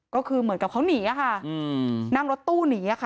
ก็คือเหมือนกับเขาหนีอะค่ะนั่งรถตู้หนีค่ะ